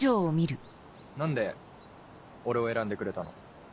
何で俺を選んでくれたの？